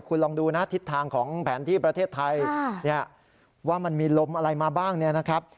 คุณลองดูนะทิศทางของแผนที่ประเทศไทยว่ามันมีลมอะไรมาบ้างเนี่ยนะครับ